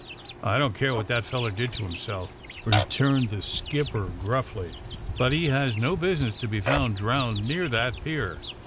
I don't care what the feller did to himself," returned the skipper grnffly, *^bnt he has no business to be found drowned near that pier.